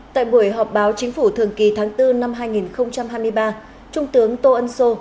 tại buổi họp báo chính phủ thường kỳ tháng bốn năm hai nghìn hai mươi ba trung tướng tô ân sô